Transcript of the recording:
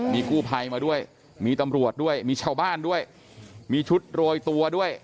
มีกู้ภัยมาด้วยมีตำรวจด้วยมีชาวบ้านด้วยมีชุดโรยตัวด้วย